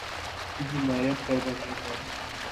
کی حمایت کر رہے ہیں